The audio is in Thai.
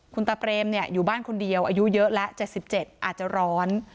คุณตาเปรมอยู่บ้านคนเดียวอายุเยอะแล้ว๗๗อาจจะร้อน